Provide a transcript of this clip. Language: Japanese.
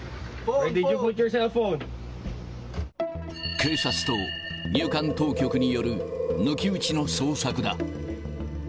警察と入管当局による抜き打ちの捜索だ。